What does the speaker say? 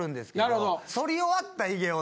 なるほど。